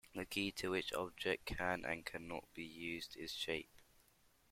The key to which objects can and can not be used is shape.